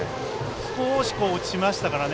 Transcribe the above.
少し落ちましたからね。